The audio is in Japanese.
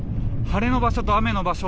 晴れの場所と雨の場所